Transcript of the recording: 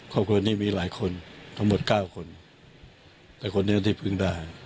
ครอบครัวนี้มีหลายคนทั้งหมด๙คนแต่คนนี้ที่พึ่งได้